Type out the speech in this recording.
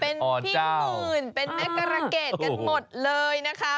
เป็นพี่หมื่นเป็นแม่กรเกดกันหมดเลยนะคะ